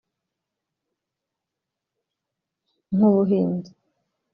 nk’ubuhinzi